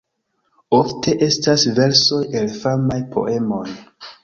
Ofte estas versoj el famaj poemoj.